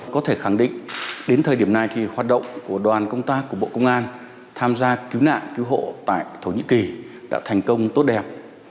có thể khẳng định đến thời điểm này thì hoạt động của đoàn công tác của bộ công an tham gia cứu nạn cứu hộ tại thổ nhĩ kỳ đã thành công tốt đẹp